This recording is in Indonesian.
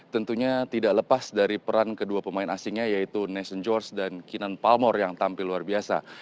tentunya tidak lepas dari peran kedua pemain asingnya yaitu nation george dan kinan palmore yang tampil luar biasa